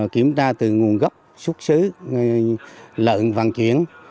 kiểm tra từ nguồn gốc xuất xứ lợn vận chuyển